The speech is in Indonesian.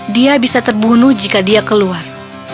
dia bisa terbunuh jika dia keluar